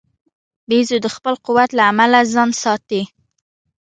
بیزو د خپل قوت له امله ځان ساتي.